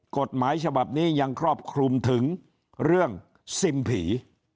กฎหมายฉบับนี้ยังครอบคลุมถึงเรื่องซิมผี